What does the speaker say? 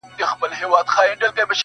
له تودې سینې را وځي نور ساړه وي,